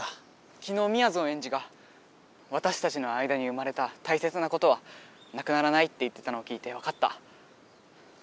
きのうみやぞんエンジが「わたしたちの間にうまれた大切なことはなくならない」って言ってたのを聞いてわかった。